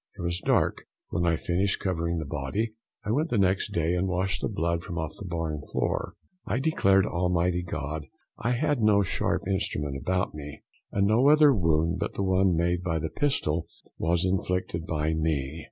It was dark when I finished covering up the body. I went the next day, and washed the blood from off the barn floor. I declare to Almighty God I had no sharp instrument about me, and no other wound but the one made by the pistol was inflicted by me.